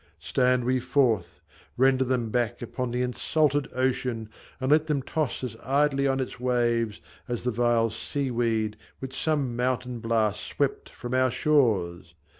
Stand we forth ; Render them back upon the insulted ocean, And let them toss as idly on its waves As the vile sea weed, which some mountain blast Swept from our shores